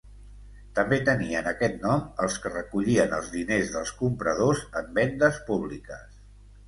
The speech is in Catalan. També tenien aquest nom els que recollien els diners dels compradors en vendes públiques.